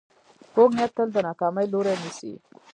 کوږ نیت تل د ناکامۍ لوری نیسي